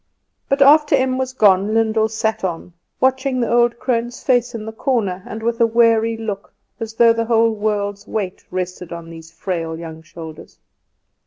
But after Em was gone Lyndall sat on, watching the old crone's face in the corner, and with a weary look, as though the whole world's weight rested on these frail young shoulders.